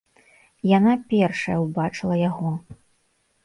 Яна першая ўбачыла яго.